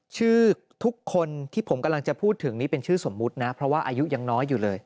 ชื่อทุกคนที่ผมกำลังจะพูดถึงนี่เป็นชื่อสมมุตินะเพราะว่าอายุยังน้อยอยู่เลย